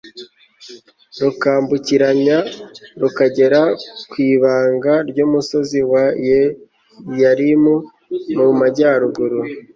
rukambukiranya rukagera ku ibanga ry umusozi wa Yeyarimu mu majyaruguru